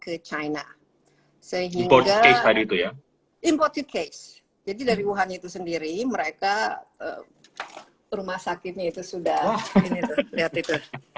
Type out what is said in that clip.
ke china sehingga importer case jadi dari wuhan itu sendiri mereka rumah sakitnya itu sudah lihat